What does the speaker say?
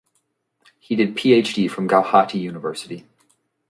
He did PhD from Gauhati University.